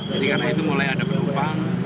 jadi karena itu mulai ada penumpang